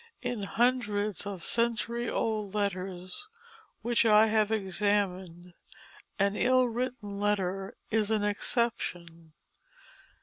In hundreds of century old letters which I have examined an ill written letter is an exception.